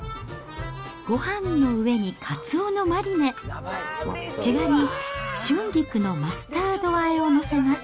ごはんの上にカツオのマリネ、毛ガニ、春菊のマスタードあえを載せます。